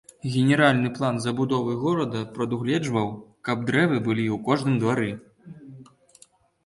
Генеральны план забудовы горада прадугледжваў, каб дрэвы былі ў кожным двары.